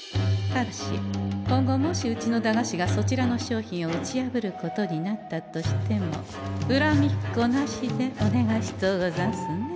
ただし今後もしうちの駄菓子がそちらの商品を打ち破ることになったとしてもうらみっこなしでお願いしとうござんすね。